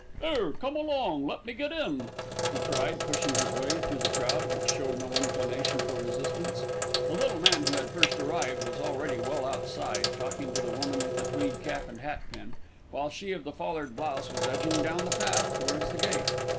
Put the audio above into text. "'Ere, come along, let me get in," he cried, pushing his way through the crowd, which showed no inclination for resistance. The little man who had first arrived was already well outside, talking to the woman with the tweed cap and hat pin, while she of the foulard blouse was edging down the path towards the gate.